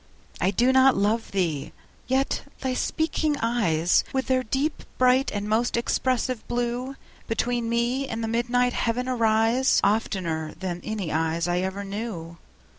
I do not love thee!—yet thy speaking eyes, With their deep, bright, and most expressive blue, Between me and the midnight heaven arise, 15 Oftener than any eyes I ever knew.